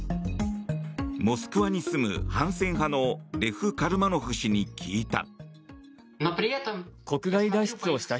モスクワに住む反戦派のレフ・カルマノフ氏に聞いた。